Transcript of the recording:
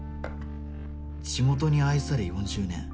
「地元に愛され４０年！